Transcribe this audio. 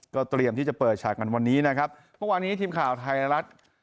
เตรียมที่จะเปิดฉากกันวันนี้นะครับเมื่อวานี้ทีมข่าวไทยรัฐ